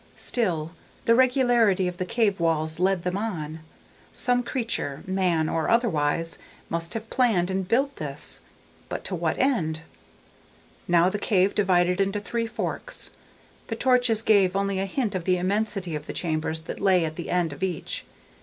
Still, the regularity of the cave walls led them on. Some creature, man or otherwise, must have planned and built this ... but to what end? Now the cave divided into three forks. The torches gave only a hint of the immensity of the chambers that lay at the end of each.